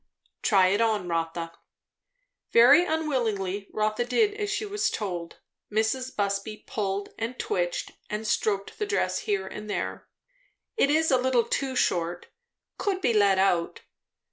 "Try it on, Rotha." Very unwillingly Rotha did as she was told. Mrs. Busby pulled and twitched and stroked the dress here and there. "It is a little too short. Could be let out."